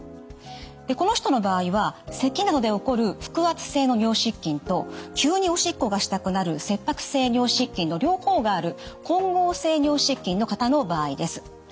でこの人の場合はせきなどで起こる腹圧性の尿失禁と急におしっこがしたくなる切迫性尿失禁の両方がある混合性尿失禁の方の場合です。